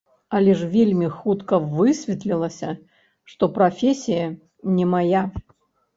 Але ж вельмі хутка высветлілася, што прафесія не мая.